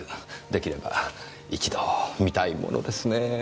できれば一度見たいものですねぇ。